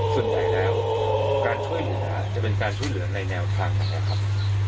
ส่วนใหญ่แล้วการช่วยเหลือจะเป็นการช่วยเหลือในแนวทางนั้นนะครับ